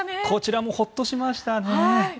こちらもホッとしましたね。